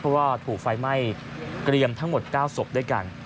เพราะว่าถูกไฟไหม้เกรียมทั้งหมด๙ศพด้วยกัน